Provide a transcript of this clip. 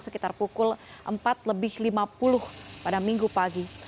sekitar pukul empat lebih lima puluh pada minggu pagi